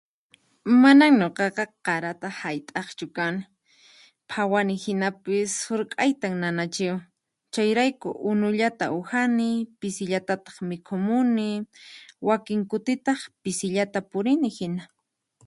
Manan nuqaqa qarata hayt'aqchu kani, phawani hinapis surq'aytan nanachiwan, chayrayku unullata uhani, pisillatataq mikhumuni, wakin kutitaq pisillata purini hina.